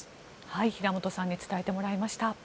平元さんに伝えてもらいました。